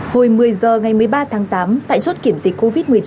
hồi một mươi h ngày một mươi ba tháng tám tại chốt kiểm dịch covid một mươi chín